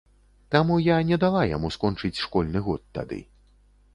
Таму я не дала яму скончыць школьны год тады.